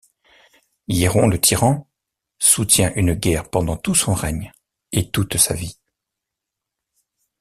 Hiéron, le tyran, soutient une guerre pendant tout son règne, et toute sa vie.